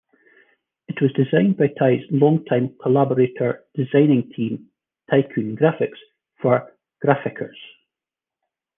It was designed by Tei's long-time collaborator designing team, Tycoon Graphics for Graphickers.